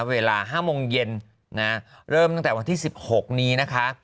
เวลา๕โมงเย็นเริ่มตั้งแต่วันที่๑๖นี้นะคะ